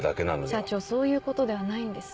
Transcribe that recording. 社長そういうことではないんです。